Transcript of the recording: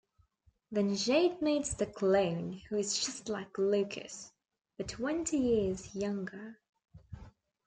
Then Jade meets the clone, who is just like Lucas, but twenty years younger.